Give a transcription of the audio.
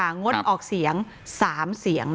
งดออกเสียง๓เสียง